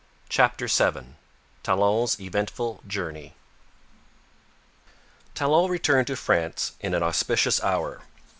CHAPTER VII TALON'S EVENTFUL JOURNEY Talon returned to France in an auspicious hour.